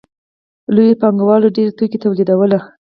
لویو پانګوالو ډېر توکي تولیدول